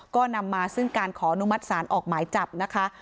ก็นำมาซึ่งการขออนุมัติศาลออกหมายจับนะคะ